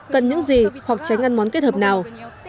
cần những gì hoặc tránh ăn món kết hợp nào